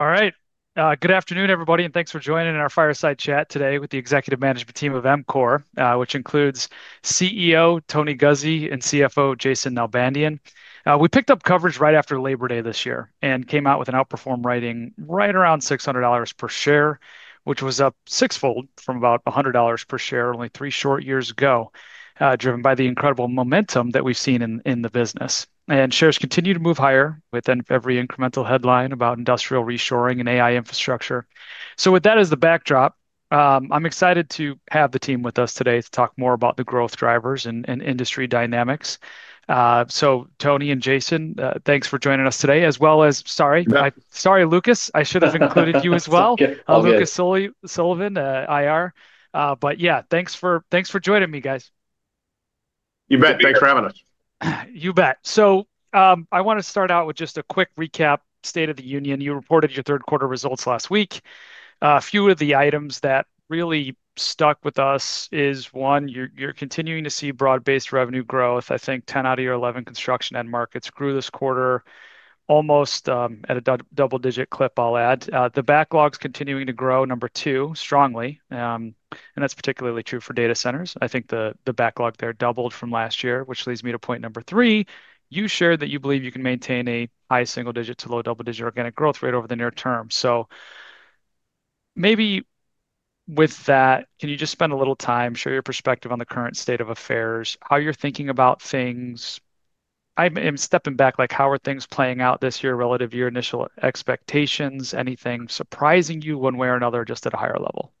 All right. Good afternoon, everybody, and thanks for joining our Fireside Chat today with the executive management team of EMCOR, which includes CEO Tony Guzzi and CFO Jason Nalbandian. We picked up coverage right after Labor Day this year and came out with an outperform rating right around $600 per share, which was up sixfold from about $100 per share only three short years ago, driven by the incredible momentum that we've seen in the business. Shares continue to move higher with every incremental headline about industrial reshoring and AI infrastructure. With that as the backdrop, I'm excited to have the team with us today to talk more about the growth drivers and industry dynamics. Tony and Jason, thanks for joining us today, as well as—sorry, sorry, Lucas. I should have included you as well. That's okay. Yeah, thanks for joining me, guys. You bet. Thanks for having us. You bet. I want to start out with just a quick recap, state of the union. You reported your third quarter results last week. A few of the items that really stuck with us is, one, you're continuing to see broad-based revenue growth. I think 10 out of your 11 construction end markets grew this quarter almost at a double-digit clip, I'll add. The backlog's continuing to grow, number two, strongly. That's particularly true for data centers. I think the backlog there doubled from last year, which leads me to point number three. You shared that you believe you can maintain a high single-digit to low double-digit organic growth rate over the near term. Maybe with that, can you just spend a little time, share your perspective on the current state of affairs, how you're thinking about things? I'm stepping back, like how are things playing out this year relative to your initial expectations? Anything surprising you one way or another, just at a higher level?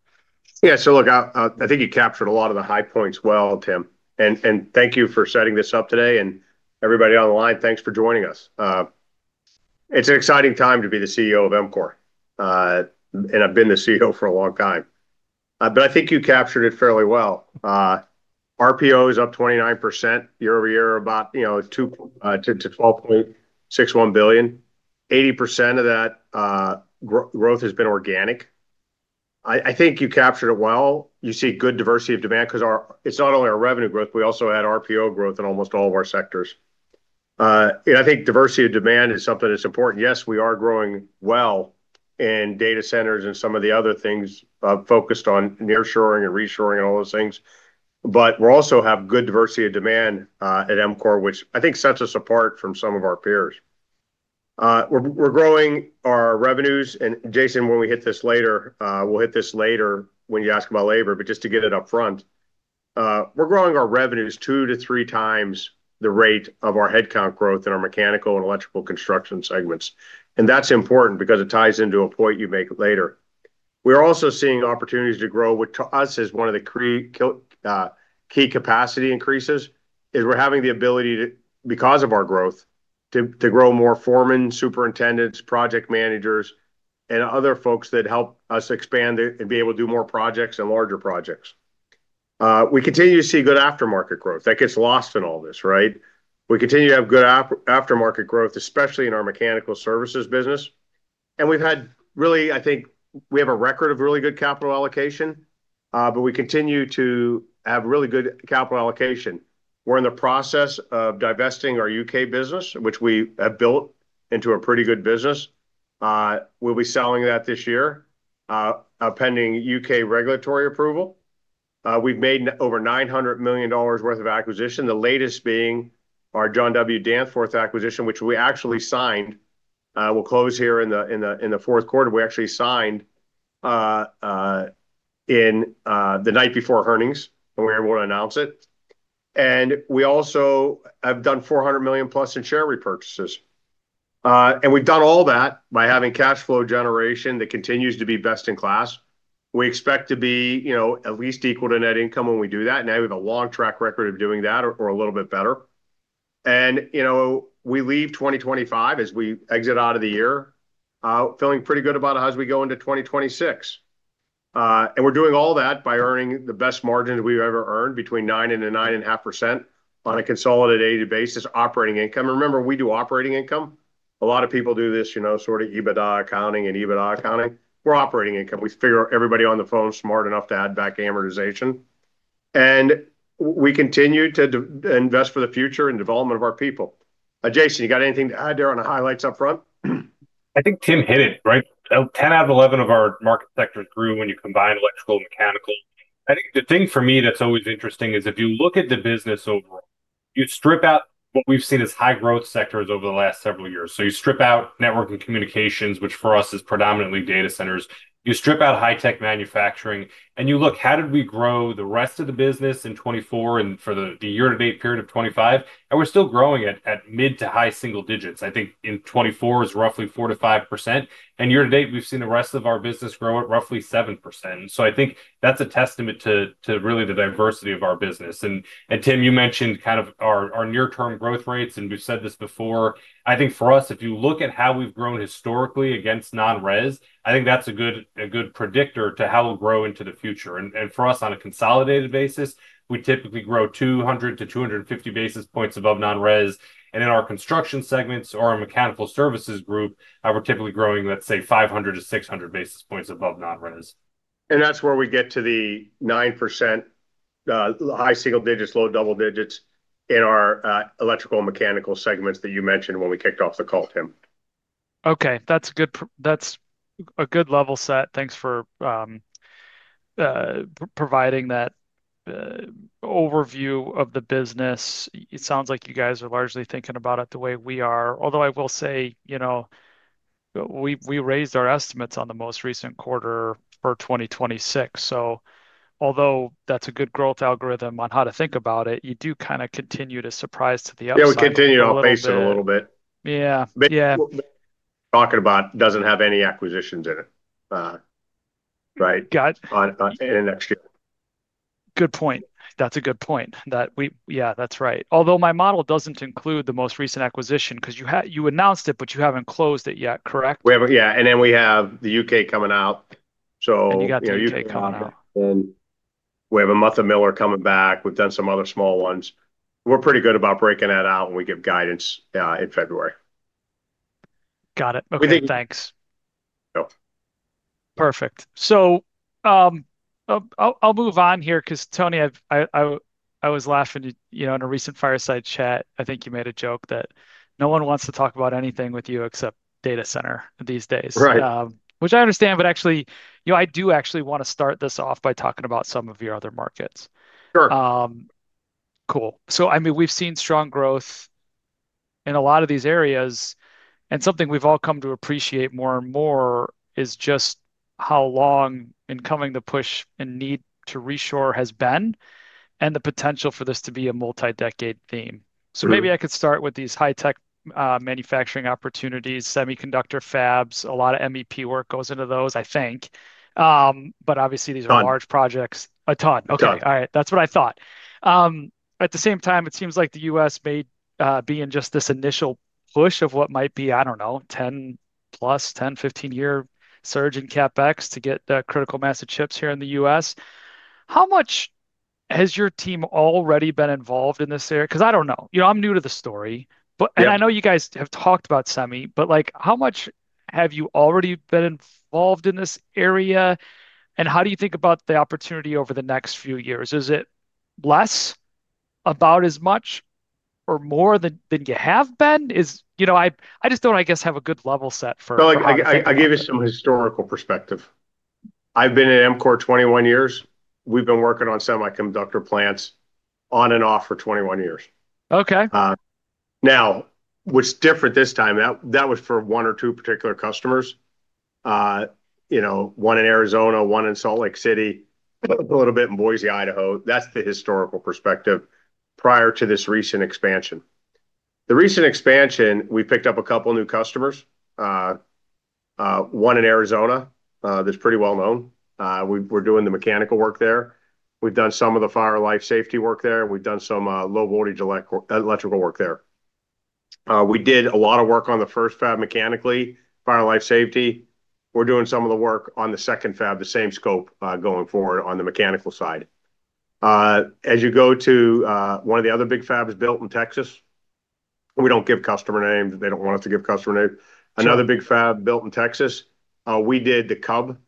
Yeah. Look, I think you captured a lot of the high points well, Tim. Thank you for setting this up today. Everybody on the line, thanks for joining us. It's an exciting time to be the CEO of EMCOR. I've been the CEO for a long time. I think you captured it fairly well. RPO is up 29% year over year, about $12.61 billion. 80% of that growth has been organic. I think you captured it well. You see good diversity of demand because it's not only our revenue growth, we also had RPO growth in almost all of our sectors. I think diversity of demand is something that's important. Yes, we are growing well in data centers and some of the other things focused on nearshoring and reshoring and all those things. We also have good diversity of demand at EMCOR, which I think sets us apart from some of our peers. We're growing our revenues. Jason, when we hit this later, we'll hit this later when you ask about labor. Just to get it upfront, we're growing our revenues two to three times the rate of our headcount growth in our mechanical and electrical construction segments. That's important because it ties into a point you make later. We're also seeing opportunities to grow, which to us is one of the key capacity increases, is we're having the ability to, because of our growth, to grow more foremen, superintendents, project managers, and other folks that help us expand and be able to do more projects and larger projects. We continue to see good aftermarket growth. That gets lost in all this, right? We continue to have good aftermarket growth, especially in our mechanical services business. We have had, really, I think we have a record of really good capital allocation. We continue to have really good capital allocation. We are in the process of divesting our U.K. business, which we have built into a pretty good business. We will be selling that this year, pending U.K. regulatory approval. We have made over $900 million worth of acquisition, the latest being our John W. Danforth acquisition, which we actually signed. We will close here in the fourth quarter. We actually signed the night before earnings, and we were able to announce it. We also have done $400 million+ in share repurchases. We have done all that by having cash flow generation that continues to be best in class. We expect to be at least equal to net income when we do that. We have a long track record of doing that, or a little bit better. We leave 2025 as we exit out of the year, feeling pretty good about it as we go into 2026. We are doing all that by earning the best margins we've ever earned between 9%-9.5% on a consolidated basis operating income. Remember, we do operating income. A lot of people do this sort of EBITDA accounting and EBITDA accounting. We are operating income. We figure everybody on the phone is smart enough to add back amortization. We continue to invest for the future and development of our people. Jason, you got anything to add there on the highlights upfront? I think Tim hit it, right? 10 out of 11 of our market sectors grew when you combine electrical and mechanical. I think the thing for me that's always interesting is if you look at the business overall, you strip out what we've seen as high-growth sectors over the last several years. You strip out network and communications, which for us is predominantly data centers. You strip out high-tech manufacturing. You look, how did we grow the rest of the business in 2024 and for the year-to-date period of 2025? We're still growing at mid to high single digits. I think in 2024 it's roughly 4%-5%. Year-to-date, we've seen the rest of our business grow at roughly 7%. I think that's a testament to really the diversity of our business. Tim, you mentioned kind of our near-term growth rates, and we've said this before. I think for us, if you look at how we've grown historically against non-res, I think that's a good predictor to how we'll grow into the future. For us, on a consolidated basis, we typically grow 200-250 basis points above non-res. In our construction segments or our mechanical services group, we're typically growing, let's say, 500-600 basis points above non-res. That's where we get to the 9%. High single digits, low double digits in our electrical and mechanical segments that you mentioned when we kicked off the call, Tim. Okay. That's a good level set. Thanks for providing that overview of the business. It sounds like you guys are largely thinking about it the way we are. Although I will say we raised our estimates on the most recent quarter for 2026. So although that's a good growth algorithm on how to think about it, you do kind of continue to surprise to the outside. Yeah, we continue to outpace it a little bit. Yeah. Yeah. Talking about doesn't have any acquisitions in it, right? Got it. In the next year. Good point. That's a good point. Yeah, that's right. Although my model doesn't include the most recent acquisition because you announced it, but you haven't closed it yet, correct? Yeah. And then we have the U.K. coming out. So you got the U.K. coming out. And we have a Muth Electric, Miller Electric coming back. We've done some other small ones. We're pretty good about breaking that out, and we give guidance in February. Got it. Okay. Thanks. We think. Perfect. I'll move on here because, Tony, I was laughing in a recent Fireside Chat. I think you made a joke that no one wants to talk about anything with you except data center these days. Right. Which I understand, but actually, I do actually want to start this off by talking about some of your other markets. Sure. Cool. I mean, we've seen strong growth in a lot of these areas. Something we've all come to appreciate more and more is just how long in coming the push and need to reshore has been and the potential for this to be a multi-decade theme. Maybe I could start with these high-tech manufacturing opportunities, semiconductor fabs. A lot of MEP work goes into those, I think. Obviously, these are large projects. A ton. Okay. All right. That's what I thought. At the same time, it seems like the U.S. may be in just this initial push of what might be, I don't know, 10+, 10, 15-year surge in CapEx to get critical mass of chips here in the U.S. How much has your team already been involved in this area? I don't know. I'm new to the story. I know you guys have talked about semi, but how much have you already been involved in this area? How do you think about the opportunity over the next few years? Is it less, about as much, or more than you have been? I just don't, I guess, have a good level set for it. No, I gave you some historical perspective. I've been at EMCOR 21 years. We've been working on semiconductor plants on and off for 21 years. Okay. Now, what's different this time, that was for one or two particular customers. One in Arizona, one in Salt Lake City, a little bit in Boise, Idaho. That's the historical perspective prior to this recent expansion. The recent expansion, we picked up a couple of new customers. One in Arizona that's pretty well known. We're doing the mechanical work there. We've done some of the fire life safety work there. We've done some low-voltage electrical work there. We did a lot of work on the first fab mechanically, fire life safety. We're doing some of the work on the second fab, the same scope going forward on the mechanical side. As you go to one of the other big fabs built in Texas. We don't give customer names. They don't want us to give customer names. Another big fab built in Texas. We did the CUB,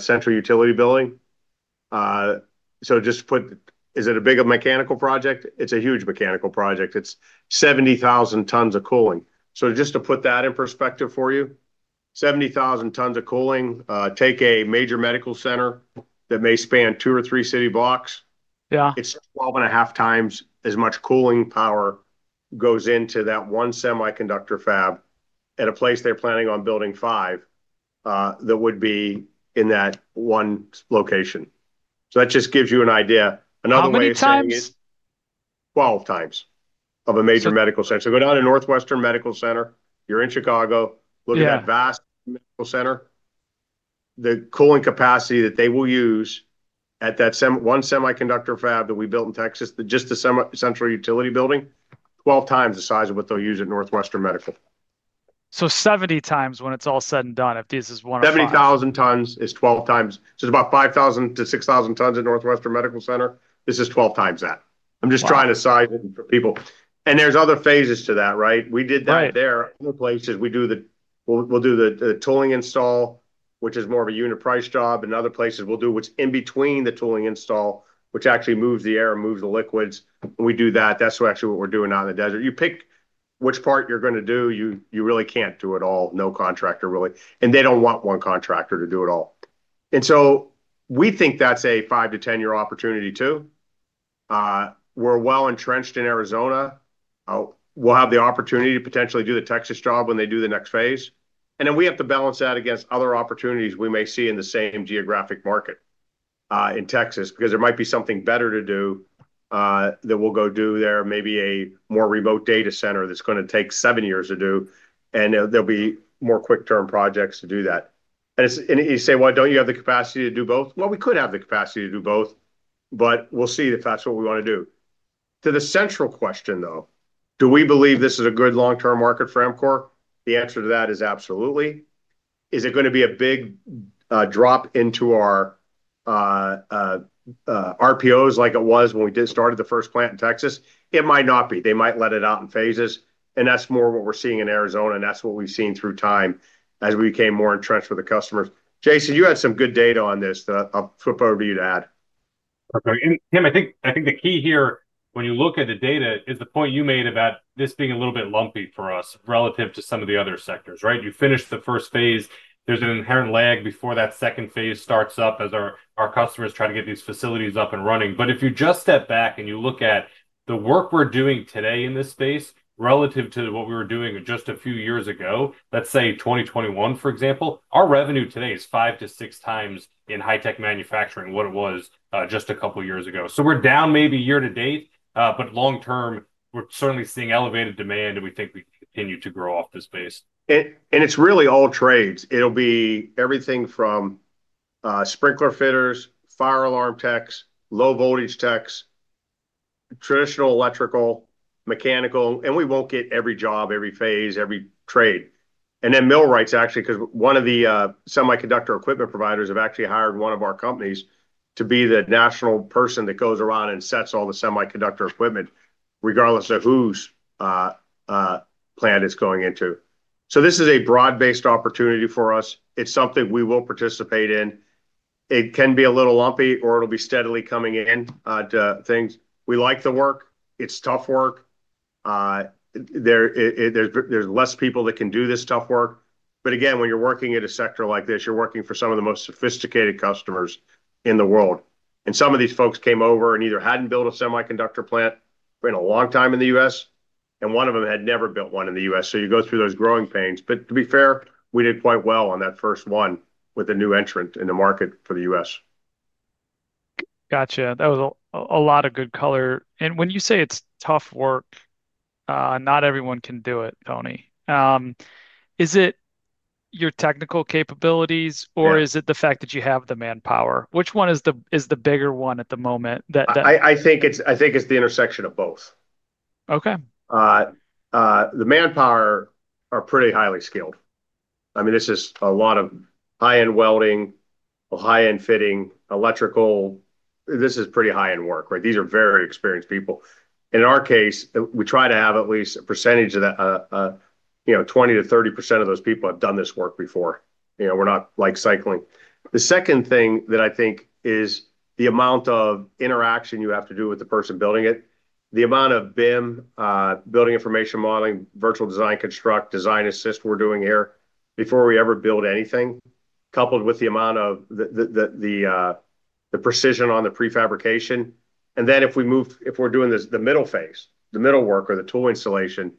Central Utility Building. Just to put, is it a big mechanical project? It's a huge mechanical project. It's 70,000 tons of cooling. Just to put that in perspective for you, 70,000 tons of cooling, take a major medical center that may span two or three city blocks. It's 12 and a half times as much cooling power goes into that one semiconductor fab at a place they're planning on building five that would be in that one location. That just gives you an idea. Another way of seeing it. How many times? Twelve times of a major medical center. Go down to Northwestern Memorial Hospital. You're in Chicago. Look at that vast medical center. The cooling capacity that they will use at that one semiconductor fab that we built in Texas, just the Central Utility Building, 12 times the size of what they'll use at Northwestern Memorial. Seventy times when it's all said and done, if this is one of them. 70,000 tons is 12 times. It is about 5,000 tons-6,000 tons at Northwestern Memorial Hospital. This is 12 times that. I am just trying to size it for people. There are other phases to that, right? We did that there. Other places, we will do the tooling install, which is more of a unit price job. In other places, we will do what is in between the tooling install, which actually moves the air and moves the liquids. We do that. That is actually what we are doing out in the desert. You pick which part you are going to do. You really cannot do it all, no contractor, really. They do not want one contractor to do it all. We think that is a five to 10-year opportunity too. We are well entrenched in Arizona. We will have the opportunity to potentially do the Texas job when they do the next phase. We have to balance that against other opportunities we may see in the same geographic market. In Texas, because there might be something better to do, that we'll go do there, maybe a more remote data center that's going to take seven years to do. There will be more quick-term projects to do that. You say, "Well, don't you have the capacity to do both?" We could have the capacity to do both, but we'll see if that's what we want to do. To the central question, though, do we believe this is a good long-term market for EMCOR? The answer to that is absolutely. Is it going to be a big drop into our RPOs like it was when we started the first plant in Texas? It might not be. They might let it out in phases, and that's more what we're seeing in Arizona. That's what we've seen through time as we became more entrenched with the customers. Jason, you had some good data on this. I'll flip over to you to add. Okay. Tim, I think the key here, when you look at the data, is the point you made about this being a little bit lumpy for us relative to some of the other sectors, right? You finished the first phase. There's an inherent lag before that second phase starts up as our customers try to get these facilities up and running. If you just step back and you look at the work we're doing today in this space relative to what we were doing just a few years ago, let's say 2021, for example, our revenue today is five to six times in high-tech manufacturing what it was just a couple of years ago. We're down maybe year to date, but long-term, we're certainly seeing elevated demand, and we think we can continue to grow off this base. It is really all trades. It will be everything from sprinkler fitters, fire alarm techs, low-voltage techs, traditional electrical, mechanical, and we will not get every job, every phase, every trade. Then millwrights actually, because one of the semiconductor equipment providers have actually hired one of our companies to be the national person that goes around and sets all the semiconductor equipment, regardless of whose plant it is going into. This is a broad-based opportunity for us. It is something we will participate in. It can be a little lumpy, or it will be steadily coming into things. We like the work. It is tough work. There are fewer people that can do this tough work. Again, when you are working in a sector like this, you are working for some of the most sophisticated customers in the world. Some of these folks came over and either hadn't built a semiconductor plant for a long time in the U.S., and one of them had never built one in the U.S. You go through those growing pains. To be fair, we did quite well on that first one with a new entrant in the market for the U.S. Gotcha. That was a lot of good color. When you say it's tough work, not everyone can do it, Tony. Is it your technical capabilities, or is it the fact that you have the manpower? Which one is the bigger one at the moment? I think it's the intersection of both. Okay. The manpower are pretty highly skilled. I mean, this is a lot of high-end welding, high-end fitting, electrical. This is pretty high-end work, right? These are very experienced people. In our case, we try to have at least a percentage of that. 20%-30% of those people have done this work before. We're not cycling. The second thing that I think is the amount of interaction you have to do with the person building it, the amount of BIM, building information modeling, virtual design, construct, design assist we're doing here before we ever build anything, coupled with the amount of the precision on the prefabrication. And then if we're doing the middle phase, the middle work or the tool installation,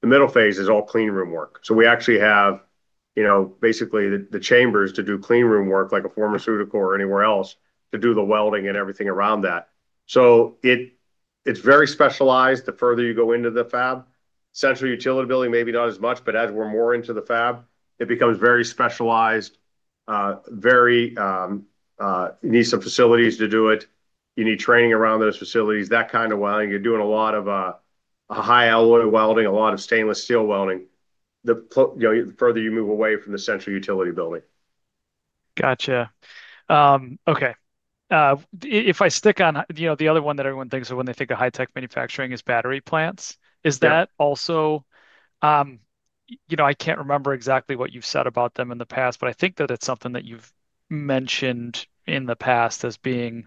the middle phase is all clean room work. So we actually have. Basically the chambers to do clean room work like a pharmaceutical or anywhere else to do the welding and everything around that. It is very specialized the further you go into the fab. Central Utility Building, maybe not as much, but as we are more into the fab, it becomes very specialized, very. You need some facilities to do it. You need training around those facilities, that kind of welding. You are doing a lot of high alloy welding, a lot of stainless steel welding. The further you move away from the Central Utility Building. Gotcha. Okay. If I stick on the other one that everyone thinks of when they think of high-tech manufacturing is battery plants, is that also? I can't remember exactly what you've said about them in the past, but I think that it's something that you've mentioned in the past as being,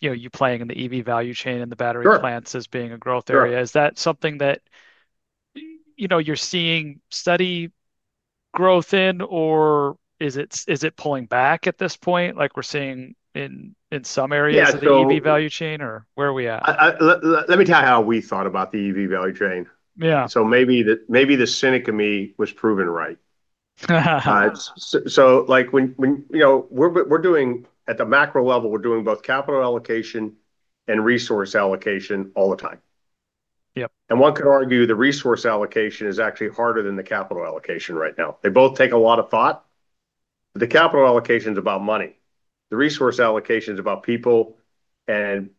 you playing in the EV value chain and the battery plants as being a growth area. Is that something that you're seeing steady growth in, or is it pulling back at this point like we're seeing in some areas of the EV value chain, or where are we at? Let me tell you how we thought about the EV value chain. Maybe the cynic in me was proven right. When we're doing at the macro level, we're doing both capital allocation and resource allocation all the time. Yep. One could argue the resource allocation is actually harder than the capital allocation right now. They both take a lot of thought. The capital allocation is about money. The resource allocation is about people. And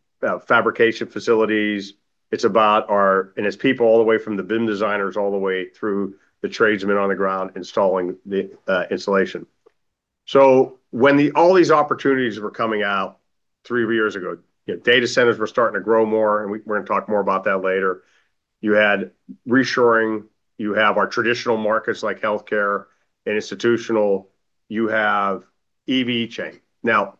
fabrication facilities. It's about our, and it's people all the way from the BIM designers all the way through the tradesmen on the ground installing the installation. When all these opportunities were coming out three years ago, data centers were starting to grow more, and we're going to talk more about that later. You had reshoring. You have our traditional markets like healthcare and institutional. You have EV chain. Now,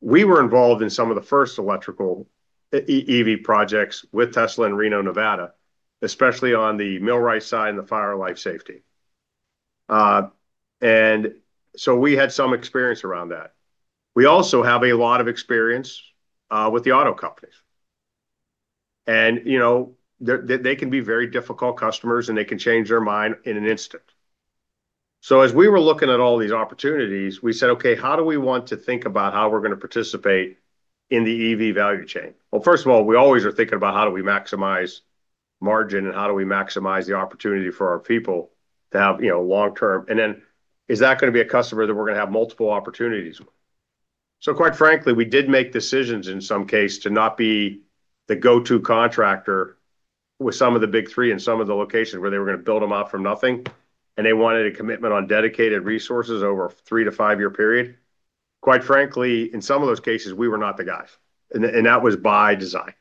we were involved in some of the first electrical EV projects with Tesla in Reno, Nevada, especially on the Millwright side and the fire life safety. We had some experience around that. We also have a lot of experience with the auto companies. They can be very difficult customers, and they can change their mind in an instant. As we were looking at all these opportunities, we said, "Okay, how do we want to think about how we're going to participate in the EV value chain?" First of all, we always are thinking about how do we maximize margin and how do we maximize the opportunity for our people to have long-term. And then is that going to be a customer that we're going to have multiple opportunities with? Quite frankly, we did make decisions in some cases to not be the go-to contractor with some of the big three in some of the locations where they were going to build them out from nothing. They wanted a commitment on dedicated resources over a three to five-year period. Quite frankly, in some of those cases, we were not the guys. That was by design.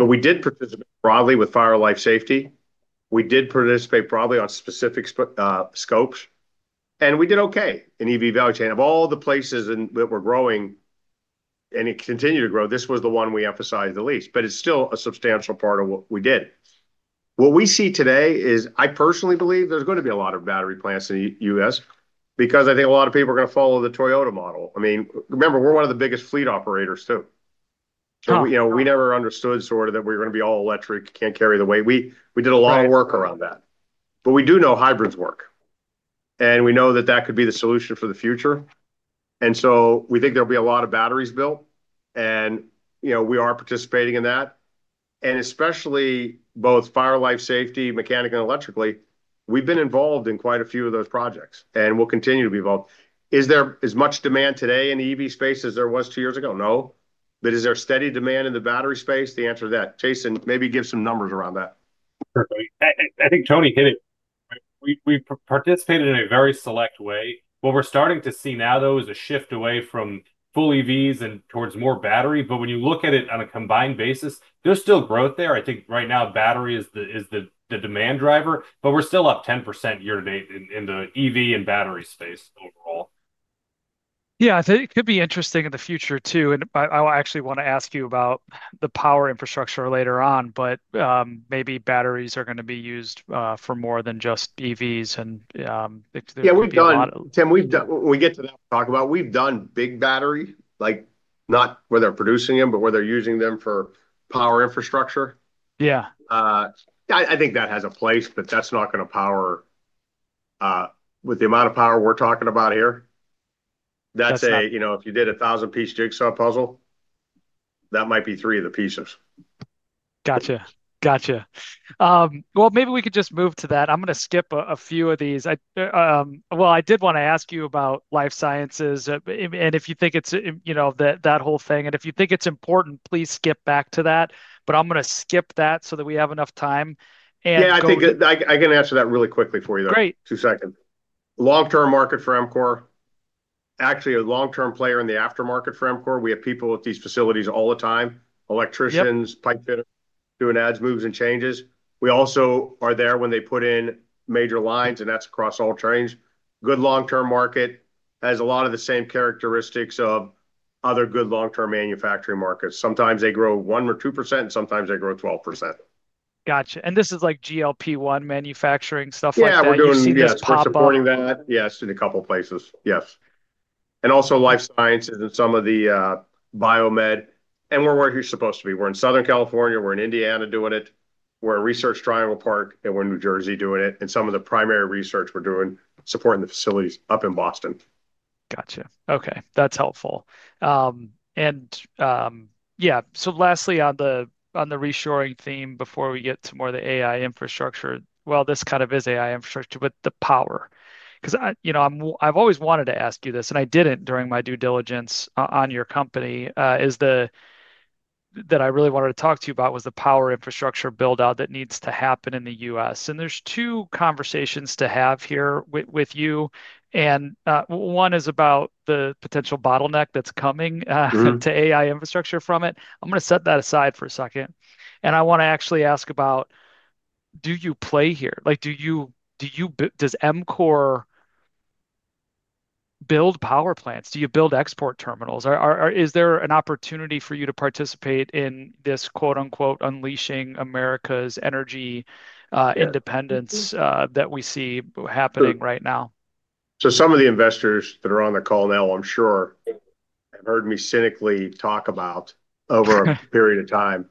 We did participate broadly with fire life safety. We did participate broadly on specific scopes. We did okay in EV value chain. Of all the places that were growing, and it continued to grow, this was the one we emphasized the least. It is still a substantial part of what we did. What we see today is I personally believe there is going to be a lot of battery plants in the U.S. because I think a lot of people are going to follow the Toyota model. I mean, remember, we are one of the biggest fleet operators too. We never understood sort of that we were going to be all electric, cannot carry the weight. We did a lot of work around that. We do know hybrids work. We know that that could be the solution for the future. We think there'll be a lot of batteries built. We are participating in that, especially both fire life safety, mechanically, and electrically. We've been involved in quite a few of those projects. We'll continue to be involved. Is there as much demand today in the EV space as there was two years ago? No. Is there steady demand in the battery space? The answer to that, Jason, maybe give some numbers around that. I think Tony hit it. We participated in a very select way. What we're starting to see now, though, is a shift away from full EVs and towards more battery. When you look at it on a combined basis, there's still growth there. I think right now battery is the demand driver. We're still up 10% year to date in the EV and battery space overall. Yeah. I think it could be interesting in the future too. I actually want to ask you about the power infrastructure later on, but maybe batteries are going to be used for more than just EVs. Yeah, we've done, Tim, we've done, when we get to that, we'll talk about, we've done big battery, not where they're producing them, but where they're using them for power infrastructure. Yeah. I think that has a place, but that's not going to power. With the amount of power we're talking about here, that's a, if you did a 1,000-piece jigsaw puzzle, that might be three of the pieces. Gotcha. Gotcha. Maybe we could just move to that. I'm going to skip a few of these. I did want to ask you about life sciences and if you think it's that whole thing. If you think it's important, please skip back to that. I'm going to skip that so that we have enough time. Yeah, I think I can answer that really quickly for you, though. Great. Two seconds. Long-term market for EMCOR. Actually, a long-term player in the aftermarket for EMCOR. We have people at these facilities all the time, electricians, pipe fitters, doing adds, moves, and changes. We also are there when they put in major lines, and that's across all trades. Good long-term market has a lot of the same characteristics of other good long-term manufacturing markets. Sometimes they grow 1% or 2%, and sometimes they grow 12%. Gotcha. This is like GLP-1 manufacturing stuff like that? Yeah, we're doing some supporting that. Yes, in a couple of places. Yes. Also life sciences and some of the biomed. And we're where you're supposed to be. We're in Southern California. We're in Indiana doing it. We're at Research Triangle Park, and we're in New Jersey doing it. Some of the primary research we're doing supporting the facilities up in Boston. Gotcha. Okay. That's helpful. Yeah. Lastly, on the reshoring theme before we get to more of the AI infrastructure, well, this kind of is AI infrastructure, but the power. Because I've always wanted to ask you this, and I didn't during my due diligence on your company. That I really wanted to talk to you about was the power infrastructure build-out that needs to happen in the U.S. There's two conversations to have here with you. One is about the potential bottleneck that's coming to AI infrastructure from it. I'm going to set that aside for a second. I want to actually ask about, do you play here? Does EMCOR build power plants? Do you build export terminals? Is there an opportunity for you to participate in this "unleashing America's energy independence" that we see happening right now? Some of the investors that are on the call now, I'm sure, have heard me cynically talk about, over a period of time,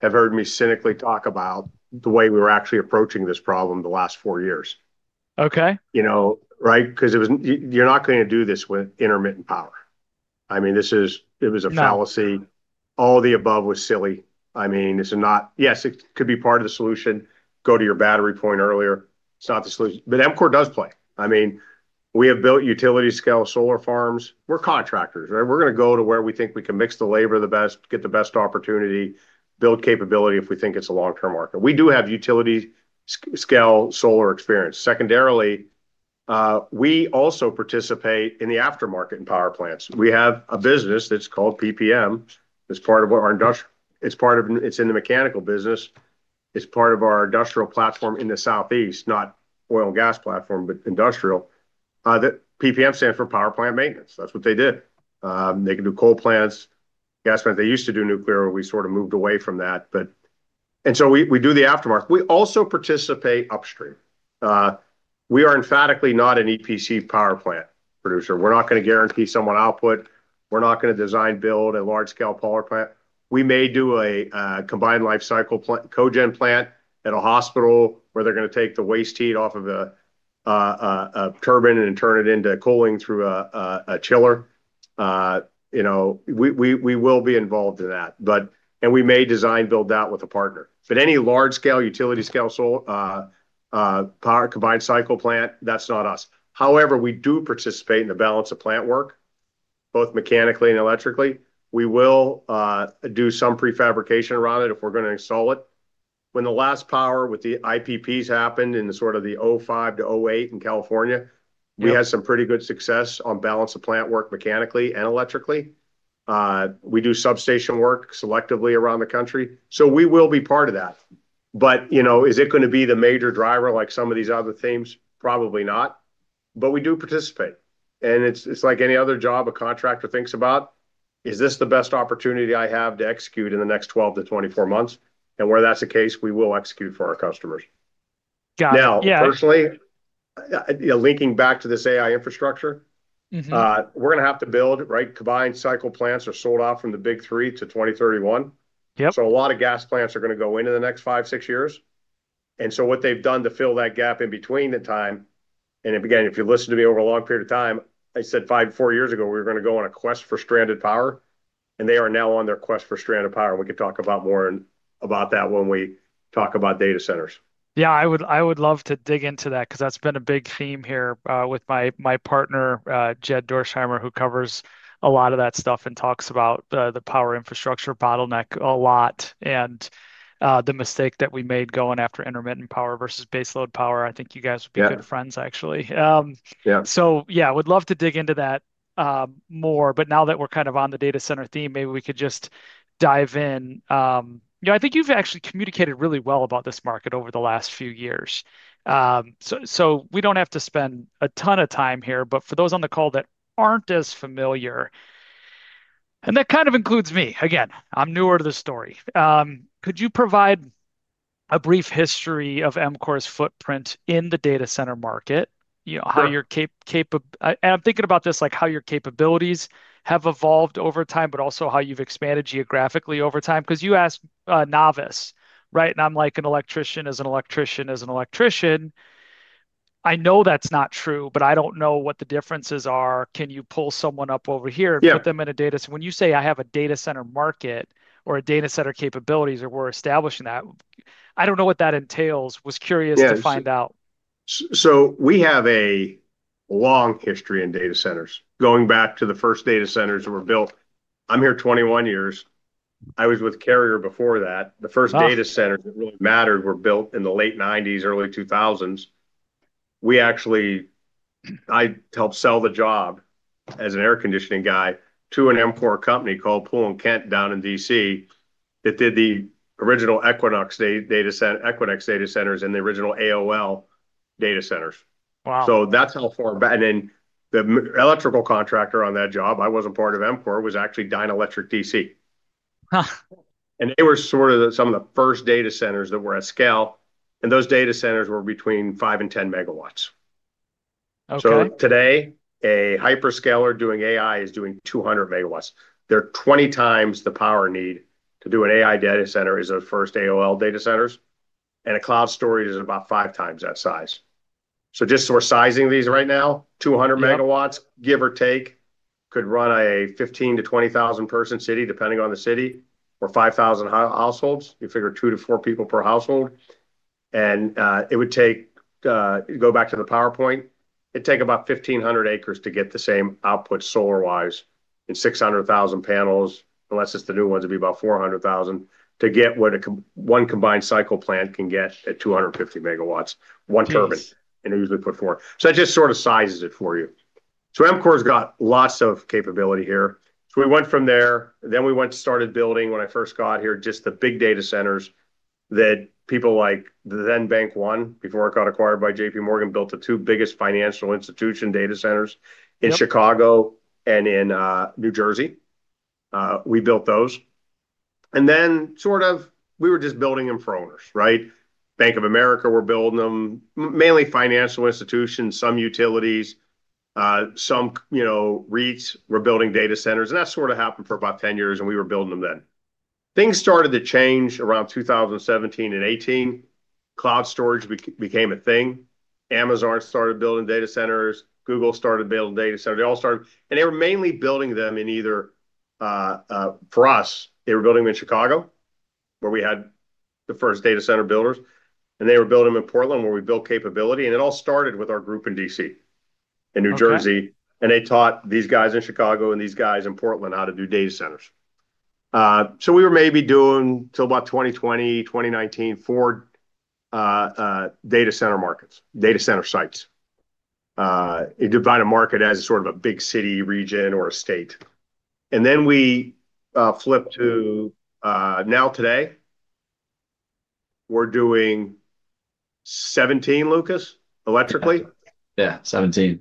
have heard me cynically talk about the way we were actually approaching this problem the last four years. Okay. Right? Because you're not going to do this with intermittent power. I mean, it was a fallacy. All the above was silly. I mean, this is not, yes, it could be part of the solution. Go to your battery point earlier. It's not the solution. EMCOR does play. I mean, we have built utility-scale solar farms. We're contractors, right? We're going to go to where we think we can mix the labor the best, get the best opportunity, build capability if we think it's a long-term market. We do have utility-scale solar experience. Secondarily, we also participate in the aftermarket in power plants. We have a business that's called PPM. It's part of what our industrial, it's part of, it's in the mechanical business. It's part of our industrial platform in the Southeast, not oil and gas platform, but industrial. PPM stands for power plant maintenance. That's what they did. They can do coal plants, gas plants. They used to do nuclear. We sort of moved away from that. We do the aftermarket. We also participate upstream. We are emphatically not an EPC power plant producer. We're not going to guarantee someone output. We're not going to design, build a large-scale power plant. We may do a combined life cycle cogen plant at a hospital where they're going to take the waste heat off of a turbine and turn it into cooling through a chiller. We will be involved in that. We may design, build that with a partner. Any large-scale utility-scale combined cycle plant, that's not us. However, we do participate in the balance of plant work, both mechanically and electrically. We will do some prefabrication around it if we're going to install it. When the last power with the IPPs happened in sort of the 2005-2008 in California, we had some pretty good success on balance of plant work mechanically and electrically. We do substation work selectively around the country. We will be part of that. Is it going to be the major driver like some of these other themes? Probably not. We do participate. It is like any other job a contractor thinks about, is this the best opportunity I have to execute in the next 12-24 months? Where that is the case, we will execute for our customers. Got it. Yeah. Now, personally. Linking back to this AI infrastructure. We're going to have to build, right, combined cycle plants are sold off from the big three to 2031. A lot of gas plants are going to go into the next five, six years. What they've done to fill that gap in between the time, and again, if you listen to me over a long period of time, I said five, four years ago, we were going to go on a quest for stranded power. They are now on their quest for stranded power. We can talk more about that when we talk about data centers. Yeah. I would love to dig into that because that's been a big theme here with my partner, Jed Dorsheimer, who covers a lot of that stuff and talks about the power infrastructure bottleneck a lot. The mistake that we made going after intermittent power versus baseload power. I think you guys would be good friends, actually. Yeah, would love to dig into that more. Now that we're kind of on the data center theme, maybe we could just dive in. I think you've actually communicated really well about this market over the last few years. We don't have to spend a ton of time here. For those on the call that aren't as familiar, and that kind of includes me, again, I'm newer to the story. Could you provide a brief history of EMCOR's footprint in the data center market? How you're capable, and I'm thinking about this like how your capabilities have evolved over time, but also how you've expanded geographically over time. Because you asked novice, right? And I'm like an electrician, as an electrician, as an electrician. I know that's not true, but I don't know what the differences are. Can you pull someone up over here and put them in a data center? When you say I have a data center market or a data center capabilities or we're establishing that, I don't know what that entails. Was curious to find out. We have a long history in data centers going back to the first data centers that were built. I'm here 21 years. I was with Carrier before that. The first data centers that really mattered were built in the late 1990s, early 2000s. We actually, I helped sell the job as an air conditioning guy to an EMCOR company called Poole & Kent down in DC that did the original Equinix data centers and the original AOL data centers. Wow. That's how far. The electrical contractor on that job, I wasn't part of EMCOR, was actually Dynalectric DC. They were sort of some of the first data centers that were at scale. Those data centers were between 5 MW and 10 MW. Today, a hyperscaler doing AI is doing 200 MW. They're 20 times the power need to do an AI data center as those first AOL data centers. A cloud storage is about five times that size. Just sort of sizing these right now, 200 MW, give or take, could run a 15,000-20,000 person city, depending on the city, or 5,000 households. You figure two to four people per household. It would take, go back to the PowerPoint, it'd take about 1,500 acres to get the same output solar-wise and 600,000 panels, unless it's the new ones, it'd be about 400,000 to get what one combined cycle plant can get at 250 MW, one turbine. They usually put four. It just sort of sizes it for you. EMCOR has got lots of capability here. We went from there. We went and started building when I first got here, just the big data centers that people like the then Bank One, before it got acquired by JPMorgan, built the two biggest financial institution data centers in Chicago and in New Jersey. We built those. We were just building them for owners, right? Bank of America, we're building them, mainly financial institutions, some utilities, some REITs, we're building data centers. That sort of happened for about 10 years, and we were building them then. Things started to change around 2017 and 2018. Cloud storage became a thing. Amazon started building data centers. Google started building data centers. They all started. They were mainly building them in either, for us, they were building them in Chicago, where we had the first data center builders. They were building them in Portland, where we built capability. It all started with our group in DC and New Jersey. They taught these guys in Chicago and these guys in Portland how to do data centers. We were maybe doing, till about 2020, 2019, four data center markets, data center sites. It divided market as sort of a big city region or a state. We flipped to now today. We're doing 17, Lucas, electrically. Yeah, 17.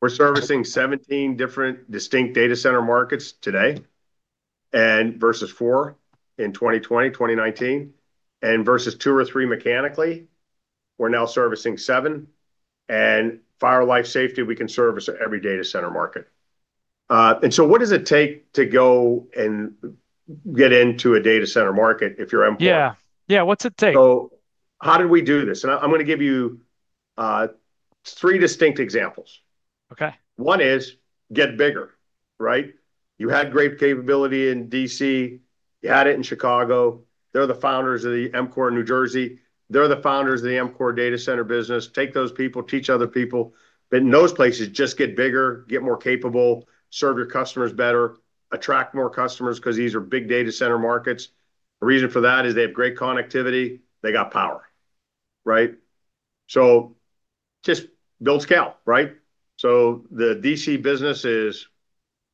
We're servicing 17 different distinct data center markets today. Versus four in 2020, 2019. Versus two or three mechanically, we're now servicing seven. In fire, life, safety, we can service every data center market. What does it take to go and get into a data center market if you're EMCOR? Yeah. Yeah. What's it take? How did we do this? I'm going to give you three distinct examples. One is get bigger, right? You had great capability in DC. You had it in Chicago. They're the founders of EMCOR in New Jersey. They're the founders of the EMCOR data center business. Take those people, teach other people. In those places, just get bigger, get more capable, serve your customers better, attract more customers because these are big data center markets. The reason for that is they have great connectivity. They got power, right? Just build scale, right? The DC business is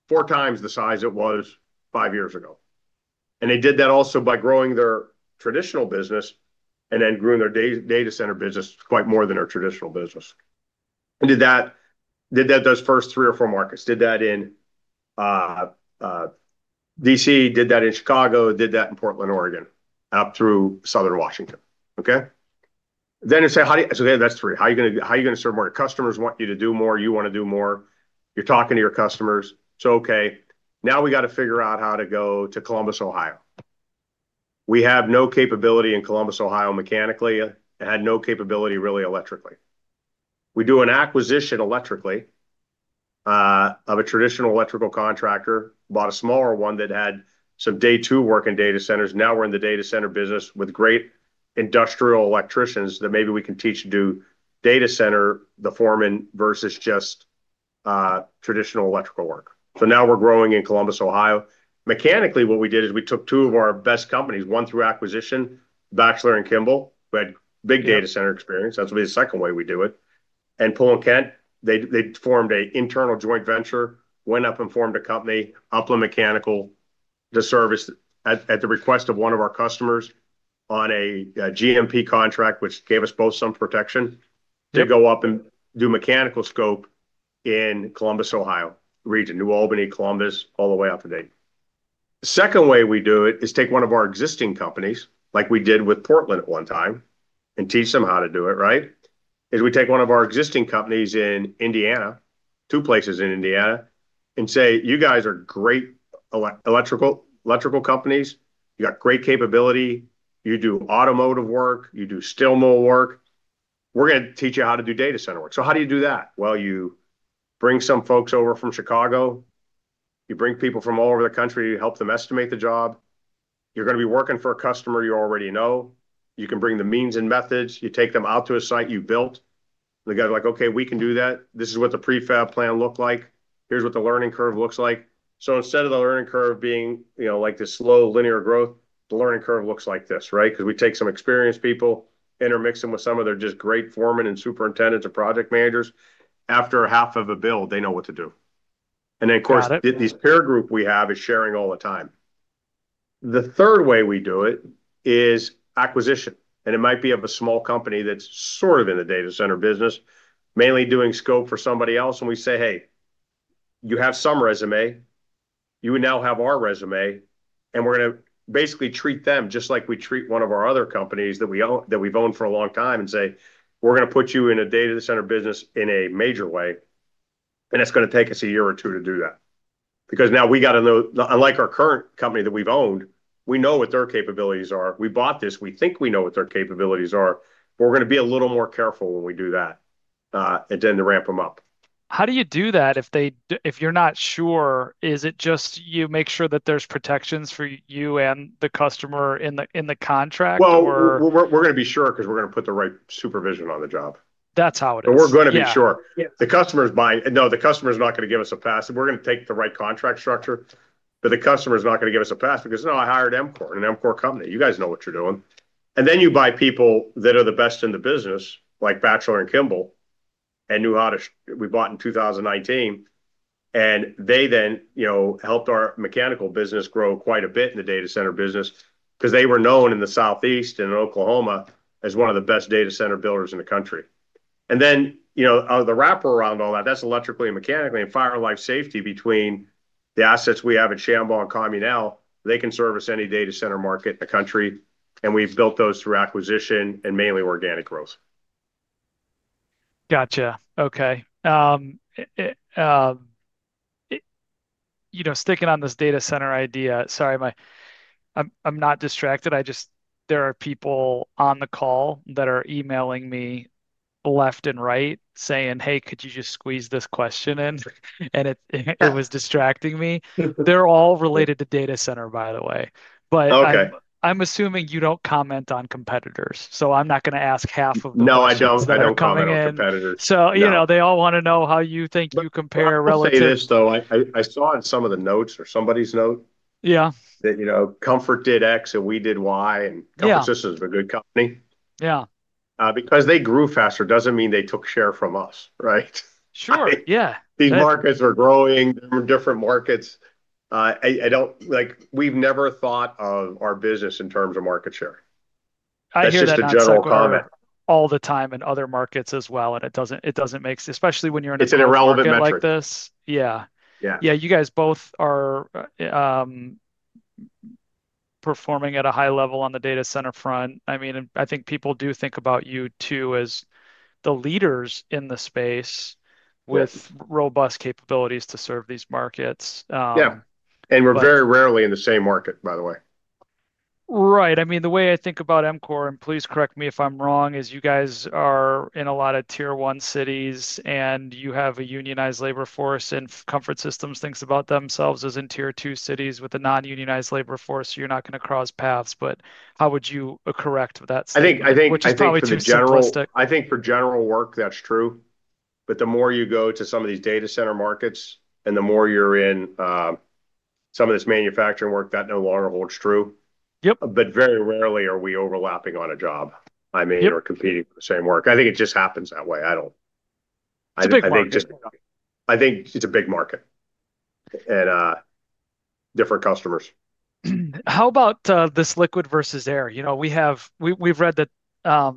four times the size it was five years ago. They did that also by growing their traditional business, and then grew their data center business quite more than their traditional business. Those first three or four markets did that in. DC, did that in Chicago, did that in Portland, Oregon, up through Southern Washington. Okay? That is three. How are you going to serve more? Your customers want you to do more. You want to do more. You are talking to your customers. It is okay. Now we got to figure out how to go to Columbus, Ohio. We have no capability in Columbus, Ohio mechanically. It had no capability really electrically. We do an acquisition electrically of a traditional electrical contractor, bought a smaller one that had some day-two work in data centers. Now we are in the data center business with great industrial electricians that maybe we can teach to do data center, the foreman versus just traditional electrical work. Now we are growing in Columbus, Ohio. Mechanically, what we did is we took two of our best companies, one through acquisition, Batchelor & Kimball, who had big data center experience. That's the second way we do it. And Poole & Kent, they formed an internal joint venture, went up and formed a company, Upland Mechanical. To service at the request of one of our customers on a GMP contract, which gave us both some protection, to go up and do mechanical scope in Columbus, Ohio, region, New Albany, Columbus, all the way out to Dayton. The second way we do it is take one of our existing companies, like we did with Portland at one time, and teach them how to do it, right? Is we take one of our existing companies in Indiana, two places in Indiana, and say, "You guys are great electrical companies. You got great capability. You do automotive work. You do steel mill work. We're going to teach you how to do data center work. How do you do that? You bring some folks over from Chicago. You bring people from all over the country. You help them estimate the job. You're going to be working for a customer you already know. You can bring the means and methods. You take them out to a site you built. They got like, "Okay, we can do that. This is what the prefab plan looked like. Here's what the learning curve looks like." Instead of the learning curve being like this slow linear growth, the learning curve looks like this, right? Because we take some experienced people, intermix them with some of their just great foreman and superintendents or project managers. After half of a build, they know what to do. Of course, these peer groups we have are sharing all the time. The third way we do it is acquisition. It might be of a small company that's sort of in the data center business, mainly doing scope for somebody else. We say, "Hey, you have some resume. You now have our resume. We're going to basically treat them just like we treat one of our other companies that we've owned for a long time and say, 'We're going to put you in a data center business in a major way.' It's going to take us a year or two to do that." Because now we have to know, unlike our current company that we've owned, we know what their capabilities are. We bought this. We think we know what their capabilities are. We're going to be a little more careful when we do that, and then to ramp them up. How do you do that if you're not sure? Is it just you make sure that there's protections for you and the customer in the contract, or? We're going to be sure because we're going to put the right supervision on the job. That's how it is. We're going to be sure. The customer's buying. No, the customer's not going to give us a pass. We're going to take the right contract structure. The customer's not going to give us a pass because, "No, I hired EMCOR, an EMCOR company. You guys know what you're doing." You buy people that are the best in the business, like Batchelor & Kimball, and knew how to. We bought in 2019. They then helped our mechanical business grow quite a bit in the data center business because they were known in the Southeast and in Oklahoma as one of the best data center builders in the country. The wrapper around all that, that's electrically and mechanically and fire life safety between the assets we have at Shambaugh & Son and Comunale, they can service any data center market in the country. We have built those through acquisition and mainly organic growth. Gotcha. Okay. Sticking on this data center idea, sorry, I'm not distracted. There are people on the call that are emailing me left and right saying, "Hey, could you just squeeze this question in?" It was distracting me. They're all related to data center, by the way. I'm assuming you don't comment on competitors. I'm not going to ask half of them. No, I don't. I don't comment on competitors. They all want to know how you think you compare relative. I'll say this though. I saw in some of the notes or somebody's note. Yeah. That Comfort did X and we did Y, and Comfort Systems is a good company. Yeah. Because they grew faster doesn't mean they took share from us, right? Sure. Yeah. These markets are growing. They're different markets. We've never thought of our business in terms of market share. That's just a general comment. All the time in other markets as well. It doesn't make sense, especially when you're in a company like this. It's an irrelevant metric. Yeah. Yeah. You guys both are performing at a high level on the data center front. I mean, I think people do think about you two as the leaders in the space. With robust capabilities to serve these markets. Yeah. We're very rarely in the same market, by the way. Right. I mean, the way I think about EMCOR, and please correct me if I'm wrong, is you guys are in a lot of tier one cities, and you have a unionized labor force, and Comfort Systems thinks about themselves as in tier two cities with a non-unionized labor force, so you're not going to cross paths. How would you correct that? I think. Which is probably too simplistic. I think for general work, that's true. The more you go to some of these data center markets, and the more you're in some of this manufacturing work, that no longer holds true. Very rarely are we overlapping on a job, I mean, or competing for the same work. I think it just happens that way. I don't. It's a big market. I think it's a big market. Different customers. How about this liquid versus air? We've read that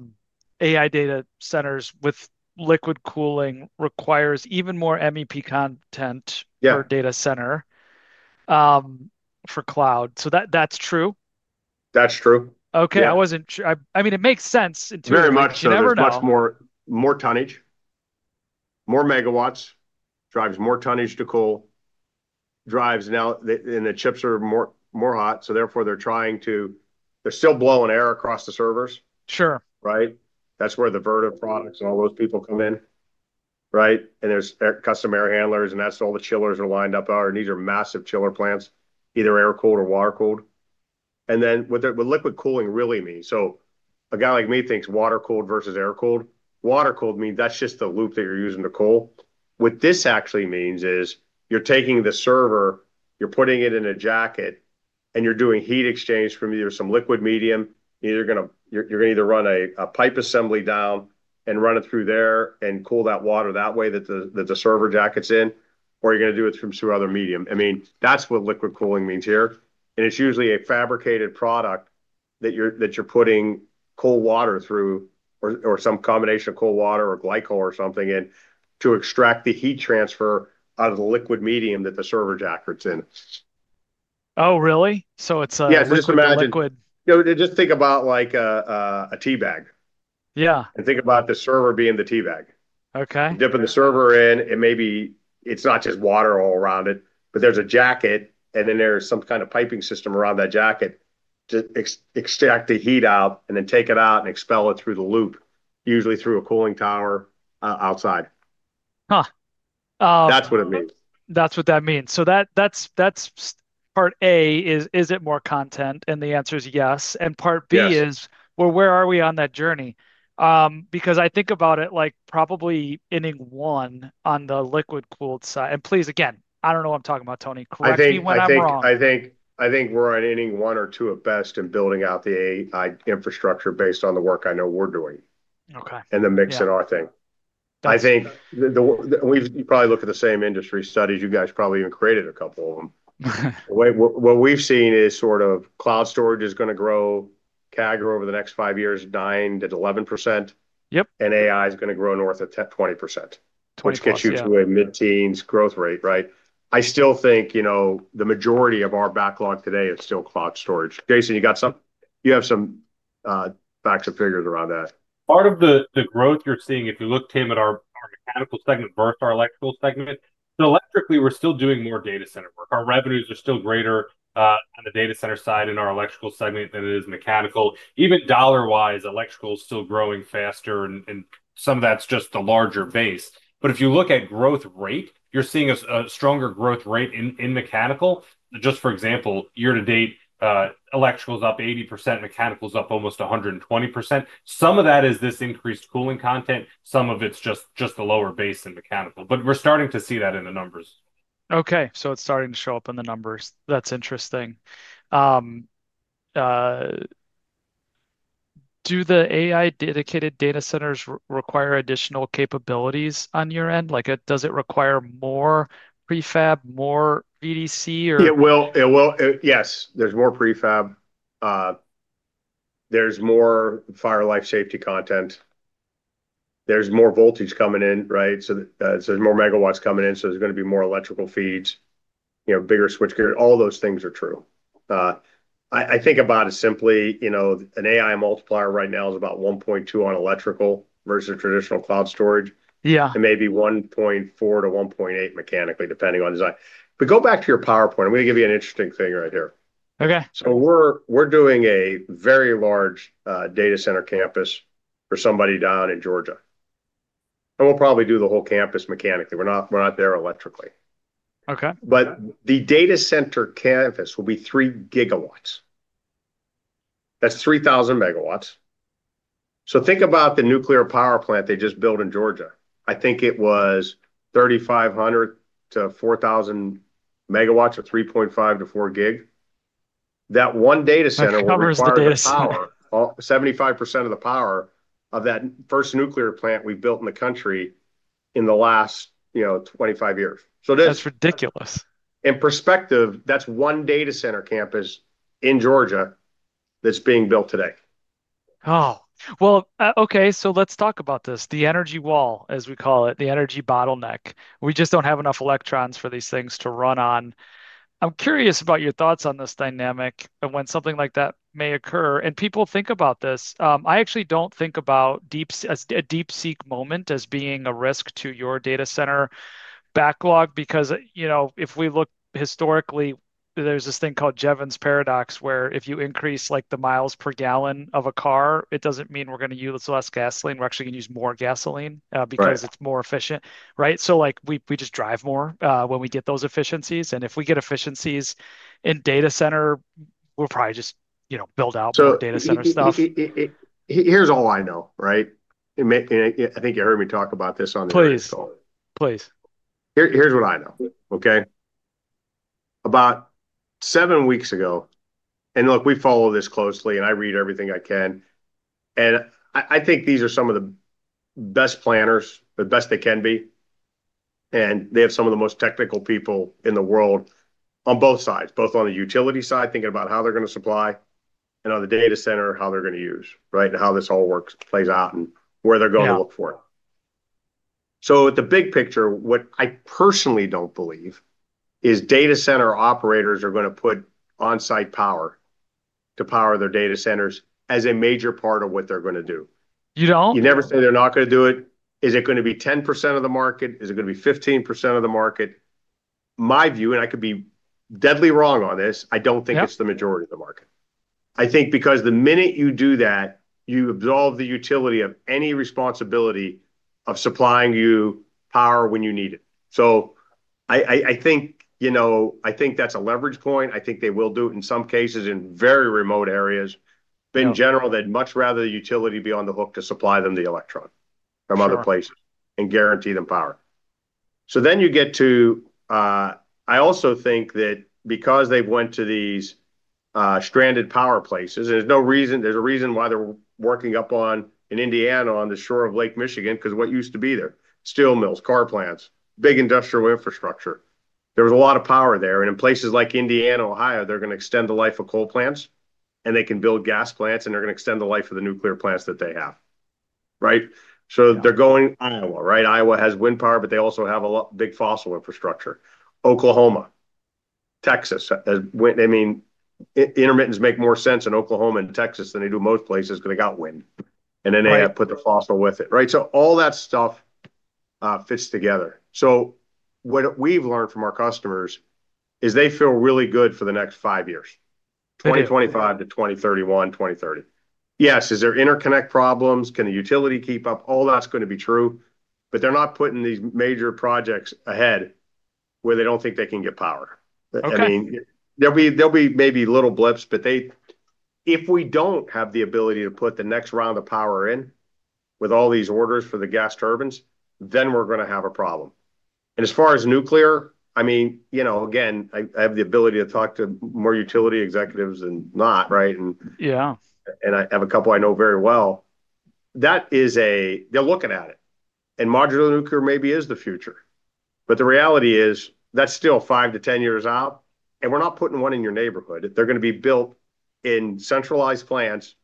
AI data centers with liquid cooling requires even more MEP content per data center. For cloud. So that's true? That's true. Okay. I wasn't sure. I mean, it makes sense in terms of. Very much so. It's much more tonnage. More megawatts drives more tonnage to cool. And the chips are more hot, so therefore they're trying to. They're still blowing air across the servers. Sure. Right? That's where the Vertiv products and all those people come in. Right? And there's custom air handlers, and that's all the chillers are lined up. These are massive chiller plants, either air-cooled or water-cooled. What liquid cooling really means—a guy like me thinks water-cooled versus air-cooled. Water-cooled means that's just the loop that you're using to cool. What this actually means is you're taking the server, you're putting it in a jacket, and you're doing heat exchange from either some liquid medium. You're going to either run a pipe assembly down and run it through there and cool that water that way that the server jackets in, or you're going to do it through some other medium. I mean, that's what liquid cooling means here. It's usually a fabricated product that you're putting cold water through or some combination of cold water or glycol or something in to extract the heat transfer out of the liquid medium that the server jackets in. Oh, really? So it's a liquid. Yeah. Just imagine. Just think about. A teabag. Yeah. Think about the server being the teabag. Okay. Dipping the server in, and maybe it's not just water all around it, but there's a jacket, and then there's some kind of piping system around that jacket to extract the heat out and then take it out and expel it through the loop, usually through a cooling tower outside. That's what it means. That's what that means. That's part A, is it more content? The answer is yes. Part B is, where are we on that journey? I think about it like probably ending one on the liquid-cooled side. Please, again, I don't know what I'm talking about, Tony. Correct me when I'm wrong. I think we're at ending one or two at best in building out the AI infrastructure based on the work I know we're doing and the mix in our thing. Gotcha. I think. You probably look at the same industry studies. You guys probably even created a couple of them. What we've seen is sort of cloud storage is going to grow, CAGR over the next five years, 9%-11%. And AI is going to grow north of 20%, which gets you to a mid-teens growth rate, right? I still think the majority of our backlog today is still cloud storage. Jason, you have some. Facts and figures around that. Part of the growth you're seeing, if you look, Tim, at our mechanical segment versus our electrical segment, so electrically, we're still doing more data center work. Our revenues are still greater on the data center side in our electrical segment than it is mechanical. Even dollar-wise, electrical is still growing faster, and some of that's just the larger base. If you look at growth rate, you're seeing a stronger growth rate in mechanical. Just for example, year to date, electrical is up 80%, mechanical is up almost 120%. Some of that is this increased cooling content. Some of it's just the lower base in mechanical. We're starting to see that in the numbers. Okay. So it's starting to show up in the numbers. That's interesting. Do the AI-dedicated data centers require additional capabilities on your end? Does it require more prefab, more VDC, or? It will. Yes. There's more prefab. There's more fire life safety content. There's more voltage coming in, right? So there's more MW coming in. So there's going to be more electrical feeds, bigger switchgear. All those things are true. I think about it simply, an AI multiplier right now is about 1.2 on electrical versus traditional cloud storage. It may be 1.4-1.8 mechanically, depending on design. But go back to your PowerPoint. I'm going to give you an interesting thing right here. Okay. We're doing a very large data center campus for somebody down in Georgia. We'll probably do the whole campus mechanically. We're not there electrically. The data center campus will be 3 GW. That's 3,000 MW. Think about the nuclear power plant they just built in Georgia. I think it was 3,500 MW-4,000 MW or 3.5 GW-4 GW. That one data center will require. That's covered the data center. 75% of the power of that first nuclear plant we've built in the country in the last 25 years. That's ridiculous. In perspective, that's one data center campus in Georgia that's being built today. Oh. Okay. Let's talk about this. The energy wall, as we call it, the energy bottleneck. We just do not have enough electrons for these things to run on. I'm curious about your thoughts on this dynamic and when something like that may occur. People think about this. I actually do not think about DeepSeek moment as being a risk to your data center backlog because if we look historically, there is this thing called Jevons Paradox where if you increase the miles per gallon of a car, it does not mean we are going to use less gasoline. We are actually going to use more gasoline because it is more efficient, right? We just drive more when we get those efficiencies. If we get efficiencies in data center, we will probably just build out more data center stuff. Here's all I know, right? I think you heard me talk about this on the. Please. Please. Here's what I know, okay? About seven weeks ago, and look, we follow this closely, and I read everything I can. I think these are some of the best planners, the best they can be. They have some of the most technical people in the world. On both sides, both on the utility side, thinking about how they're going to supply, and on the data center, how they're going to use, right, and how this all plays out and where they're going to look for it. The big picture, what I personally don't believe, is data center operators are going to put on-site power to power their data centers as a major part of what they're going to do. You don't? You never say they're not going to do it. Is it going to be 10% of the market? Is it going to be 15% of the market? My view, and I could be deadly wrong on this, I don't think it's the majority of the market. I think because the minute you do that, you absolve the utility of any responsibility of supplying you power when you need it. I think that's a leverage point. I think they will do it in some cases in very remote areas. In general, they'd much rather the utility be on the hook to supply them the electron from other places and guarantee them power. Then you get to, I also think that because they've went to these. Stranded power places, and there's a reason why they're working up in Indiana on the shore of Lake Michigan because what used to be there, steel mills, car plants, big industrial infrastructure, there was a lot of power there. In places like Indiana, Ohio, they're going to extend the life of coal plants, and they can build gas plants, and they're going to extend the life of the nuclear plants that they have, right? They're going to Iowa, right? Iowa has wind power, but they also have a big fossil infrastructure. Oklahoma. Texas. I mean, intermittents make more sense in Oklahoma and Texas than they do in most places because they got wind. They have to put the fossil with it, right? All that stuff fits together. What we've learned from our customers is they feel really good for the next five years, 2025-2030. Yes. Is there interconnect problems? Can the utility keep up? All that's going to be true. They're not putting these major projects ahead where they do not think they can get power. I mean, there will be maybe little blips, but if we do not have the ability to put the next round of power in with all these orders for the gas turbines, then we're going to have a problem. As far as nuclear, I mean, again, I have the ability to talk to more utility executives than not, right? I have a couple I know very well. They're looking at it. Modular nuclear maybe is the future. The reality is that's still 5-10 years out. We're not putting one in your neighborhood. They're going to be built in centralized plants,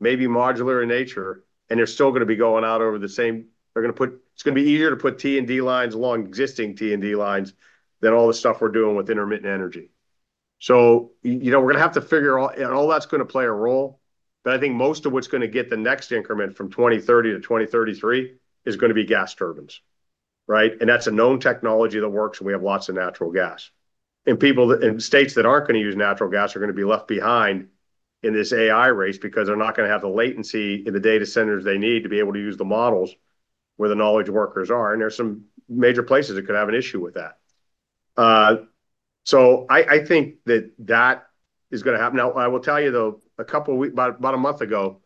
maybe modular in nature, and they're still going to be going out over the same—it’s going to be easier to put T&D lines along existing T&D lines than all the stuff we're doing with intermittent energy. We’re going to have to figure out, and all that's going to play a role. I think most of what's going to get the next increment from 2030-2033 is going to be gas turbines, right? That's a known technology that works, and we have lots of natural gas. States that aren't going to use natural gas are going to be left behind in this AI race because they're not going to have the latency in the data centers they need to be able to use the models where the knowledge workers are. There are some major places that could have an issue with that. I think that that is going to happen. I will tell you, though, about a month ago,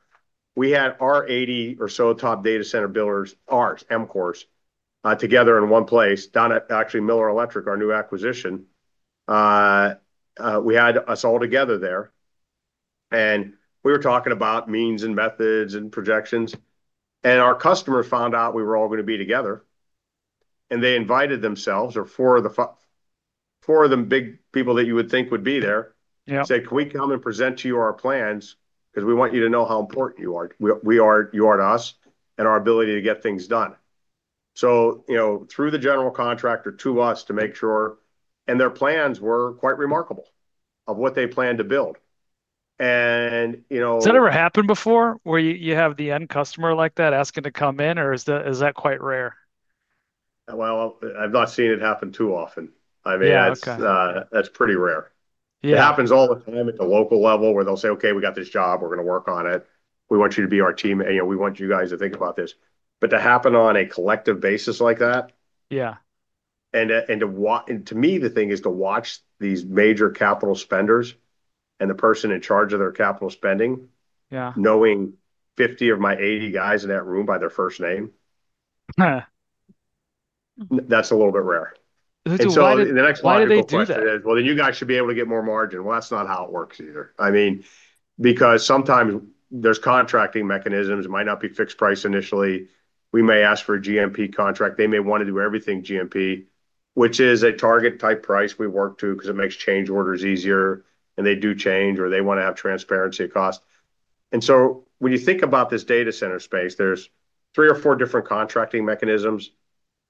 we had our 80 or so top data center builders, ours, EMCOR's, together in one place, actually Miller Electric, our new acquisition. We had us all together there. We were talking about means and methods and projections. Our customers found out we were all going to be together, and they invited themselves, or four of the big people that you would think would be there, said, "Can we come and present to you our plans? Because we want you to know how important you are to us and our ability to get things done." Through the general contractor to us to make sure. Their plans were quite remarkable of what they planned to build. Has that ever happened before where you have the end customer like that asking to come in, or is that quite rare? I've not seen it happen too often. I mean, that's pretty rare. It happens all the time at the local level where they'll say, "Okay, we got this job. We're going to work on it. We want you to be our team. We want you guys to think about this." To happen on a collective basis like that. Yeah. To me, the thing is to watch these major capital spenders and the person in charge of their capital spending, knowing 50 of my 80 guys in that room by their first name. That's a little bit rare. That's a little bit. The next line of business is. Why do they do that? You guys should be able to get more margin. That's not how it works either. I mean, because sometimes there's contracting mechanisms. It might not be fixed price initially. We may ask for a GMP contract. They may want to do everything GMP, which is a target-type price we work to because it makes change orders easier. They do change, or they want to have transparency of cost. When you think about this data center space, there's three or four different contracting mechanisms.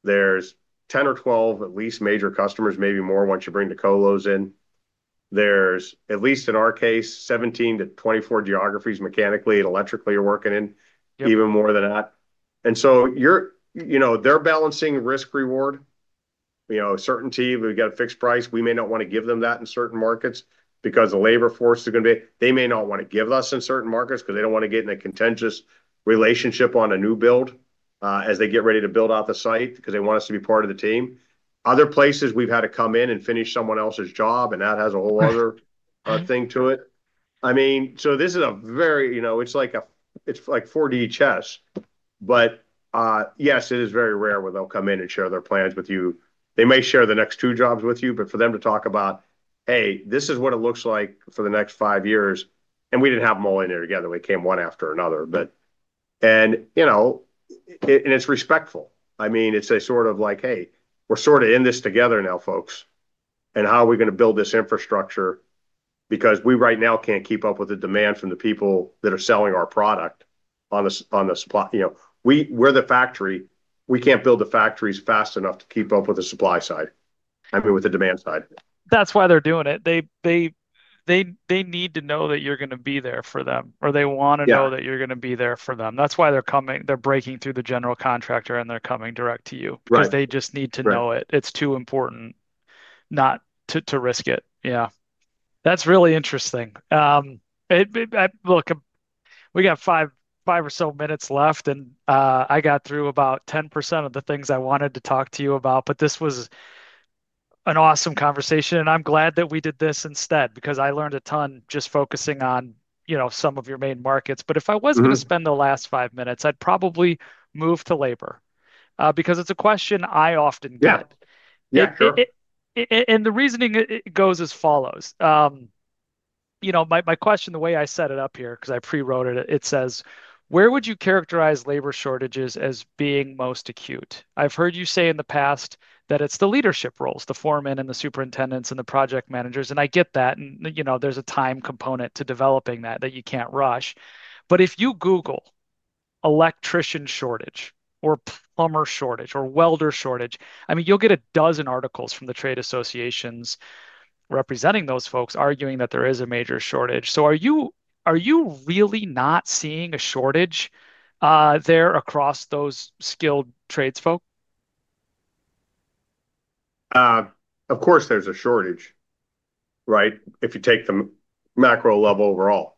There's 10 or 12, at least, major customers, maybe more once you bring the colos in. There's, at least in our case, 17-24 geographies mechanically and electrically you're working in, even more than that. They're balancing risk-reward. Certainty. We've got a fixed price. We may not want to give them that in certain markets because the labor force is going to be—they may not want to give us in certain markets because they do not want to get in a contentious relationship on a new build as they get ready to build out the site because they want us to be part of the team. Other places, we have had to come in and finish someone else's job, and that has a whole other thing to it. I mean, this is a very—it's like 4D chess. Yes, it is very rare where they will come in and share their plans with you. They may share the next two jobs with you, but for them to talk about, "Hey, this is what it looks like for the next five years." We did not have them all in there together. They came one after another. It's respectful. I mean, it's sort of like, "Hey, we're sort of in this together now, folks. How are we going to build this infrastructure?" Because we right now can't keep up with the demand from the people that are selling our product on the supply. We're the factory. We can't build the factories fast enough to keep up with the demand side. That's why they're doing it. They need to know that you're going to be there for them, or they want to know that you're going to be there for them. That's why they're breaking through the general contractor, and they're coming direct to you because they just need to know it. It's too important. Not to risk it. Yeah. That's really interesting. Look, we got five or so minutes left, and I got through about 10% of the things I wanted to talk to you about. This was an awesome conversation. I'm glad that we did this instead because I learned a ton just focusing on some of your main markets. If I was going to spend the last five minutes, I'd probably move to labor because it's a question I often get. The reasoning goes as follows. My question, the way I set it up here because I pre-wrote it, it says, "Where would you characterize labor shortages as being most acute?" I've heard you say in the past that it's the leadership roles, the foremen, and the superintendents, and the project managers. I get that. There's a time component to developing that that you can't rush. If you Google electrician shortage or plumber shortage or welder shortage, I mean, you'll get a dozen articles from the trade associations representing those folks arguing that there is a major shortage. Are you really not seeing a shortage there across those skilled trades folk? Of course, there's a shortage, right, if you take the macro level overall.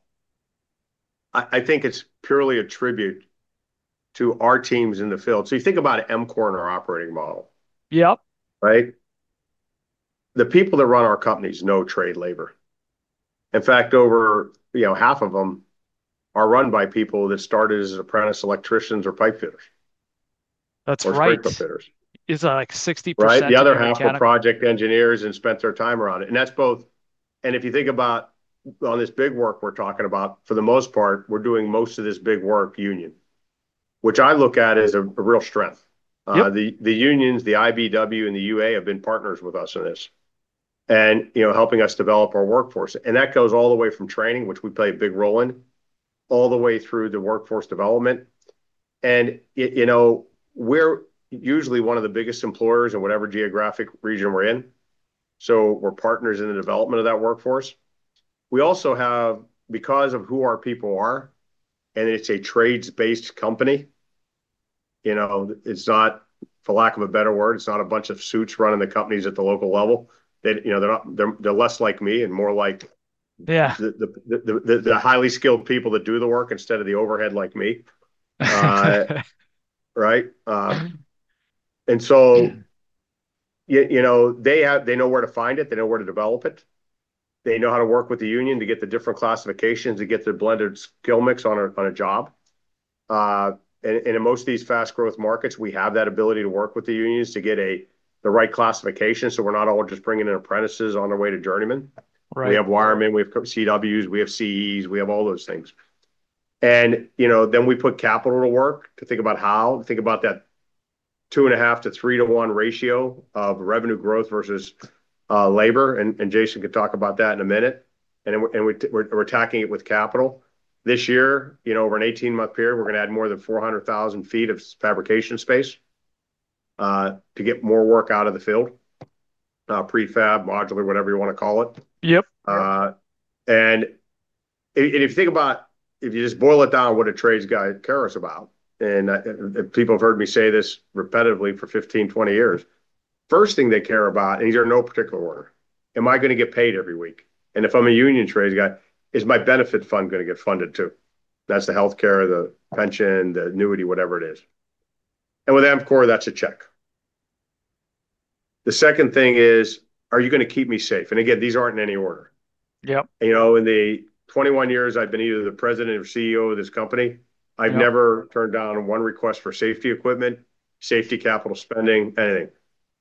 I think it's purely a tribute to our teams in the field. You think about EMCOR's and our operating model, right? The people that run our companies know trade labor. In fact, over half of them are run by people that started as apprentice electricians or pipe fitters. That's right. Or scraper fitters. Is that like 60% of the candidates? Right. The other half are project engineers and spent their time around it. If you think about, on this big work we're talking about, for the most part, we're doing most of this big work union, which I look at as a real strength. The unions, the IBEW, and the UA have been partners with us in this, and helping us develop our workforce. That goes all the way from training, which we play a big role in, all the way through the workforce development. We're usually one of the biggest employers in whatever geographic region we're in. We are partners in the development of that workforce. We also have, because of who our people are, and it's a trades-based company. It's not, for lack of a better word, it's not a bunch of suits running the companies at the local level. They're less like me and more like the highly skilled people that do the work instead of the overhead like me. Right? They know where to find it. They know where to develop it. They know how to work with the union to get the different classifications to get the blended skill mix on a job. In most of these fast-growth markets, we have that ability to work with the unions to get the right classification so we're not all just bringing in apprentices on our way to journeyman. We have wiremen. We have CWs. We have CEs. We have all those things. We put capital to work to think about how, to think about that two and a half to three to one ratio of revenue growth versus labor. Jason can talk about that in a minute. We're attacking it with capital. This year, over an 18-month period, we're going to add more than 400,000 ft of fabrication space. To get more work out of the field. Prefab, modular, whatever you want to call it. If you think about, if you just boil it down to what a trades guy cares about, and people have heard me say this repetitively for 15, 20 years, first thing they care about, and these are in no particular order, am I going to get paid every week? If I'm a union trades guy, is my benefit fund going to get funded too? That's the healthcare, the pension, the annuity, whatever it is. With EMCOR, that's a check. The second thing is, are you going to keep me safe? Again, these aren't in any order. In the 21 years I've been either the president or CEO of this company, I've never turned down one request for safety equipment, safety capital spending, anything.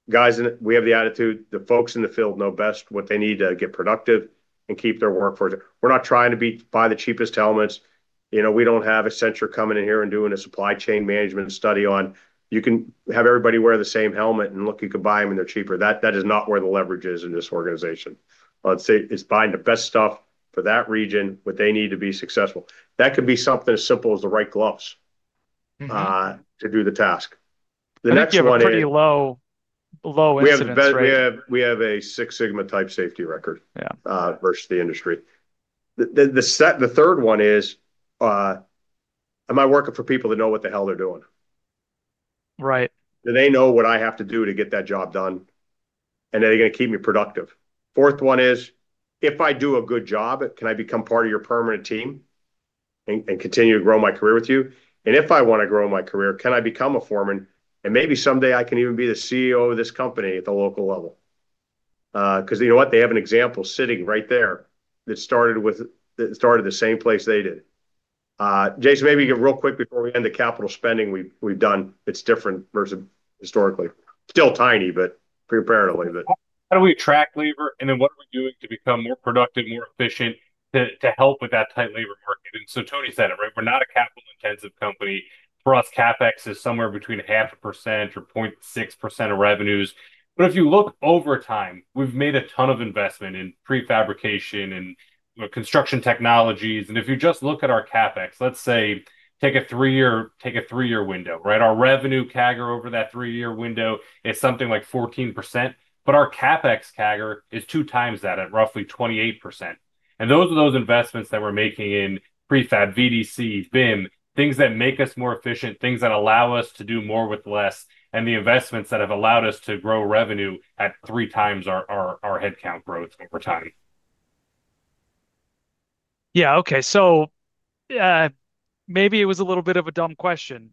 Guys, we have the attitude. The folks in the field know best what they need to get productive and keep their workforce. We're not trying to buy the cheapest helmets. We don't have Accenture coming in here and doing a supply chain management study on, "You can have everybody wear the same helmet and looking good by them and they're cheaper." That is not where the leverage is in this organization. It's buying the best stuff for that region, what they need to be successful. That could be something as simple as the right gloves to do the task. The next one is. You have a pretty low incidence rate. We have a Six Sigma type safety record versus the industry. The third one is, am I working for people that know what the hell they're doing? Right. Do they know what I have to do to get that job done? Are they going to keep me productive? Fourth one is, if I do a good job, can I become part of your permanent team and continue to grow my career with you? If I want to grow my career, can I become a foreman? Maybe someday I can even be the CEO of this company at the local level. You know what? They have an example sitting right there that started the same place they did. Jason, maybe real quick before we end, the capital spending we've done, it's different versus historically. Still tiny, but comparatively. How do we attract labor? And then what are we doing to become more productive, more efficient to help with that tight labor market? Tony said it, right? We're not a capital-intensive company. For us, CapEx is somewhere between half a percent or 0.6% of revenues. If you look over time, we've made a ton of investment in prefabrication and construction technologies. If you just look at our CapEx, let's say take a three-year window, right? Our revenue CAGR over that three-year window is something like 14%. Our CapEx CAGR is two times that at roughly 28%. Those are those investments that we're making in prefab, VDC, BIM, things that make us more efficient, things that allow us to do more with less, and the investments that have allowed us to grow revenue at three times our headcount growth over time. Yeah. Okay. Maybe it was a little bit of a dumb question.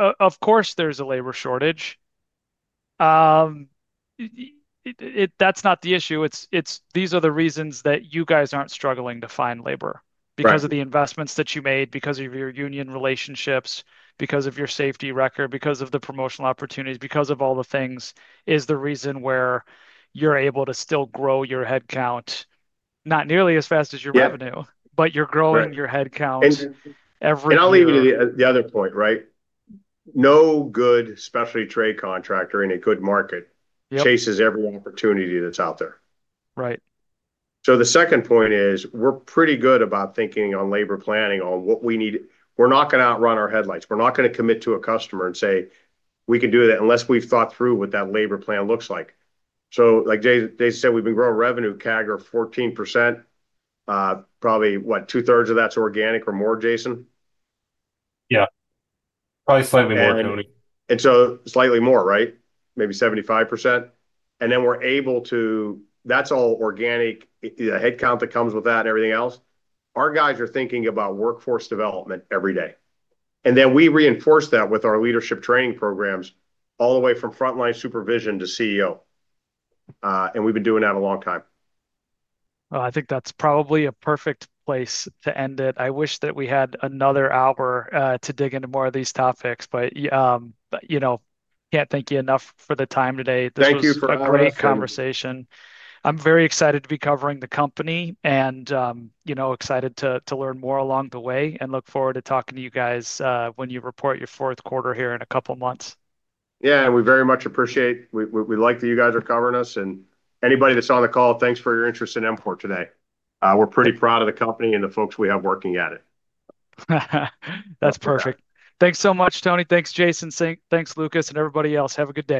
Of course, there's a labor shortage. That's not the issue. These are the reasons that you guys aren't struggling to find labor because of the investments that you made, because of your union relationships, because of your safety record, because of the promotional opportunities, because of all the things is the reason where you're able to still grow your headcount, not nearly as fast as your revenue, but you're growing your headcount every year. I'll leave you to the other point, right? No good specialty trade contractor in a good market chases every opportunity that's out there. Right. The second point is we're pretty good about thinking on labor planning on what we need. We're not going to outrun our headlights. We're not going to commit to a customer and say, "We can do that," unless we've thought through what that labor plan looks like. Like Jason said, we've been growing revenue CAGR 14%. Probably, what, 2/3 of that's organic or more, Jason? Yeah. Probably slightly more, Tony. Slightly more, right? Maybe 75%. And then we're able to, that's all organic, the headcount that comes with that and everything else. Our guys are thinking about workforce development every day. Then we reinforce that with our leadership training programs all the way from frontline supervision to CEO. We've been doing that a long time. I think that's probably a perfect place to end it. I wish that we had another hour to dig into more of these topics, but I can't thank you enough for the time today. Thank you for having me. This was a great conversation. I'm very excited to be covering the company and excited to learn more along the way and look forward to talking to you guys when you report your fourth quarter here in a couple of months. Yeah. We very much appreciate it. We like that you guys are covering us. Anybody that's on the call, thanks for your interest in EMCOR today. We're pretty proud of the company and the folks we have working at it. That's perfect. Thanks so much, Tony. Thanks, Jason. Thanks, Lucas, and everybody else. Have a good day.